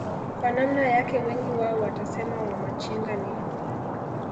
kwa namna yake wengi wao watasema wamachinga ni